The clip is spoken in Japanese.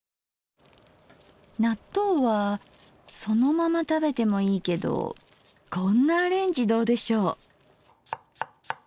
納豆はそのまま食べてもいいけどこんなアレンジどうでしょう？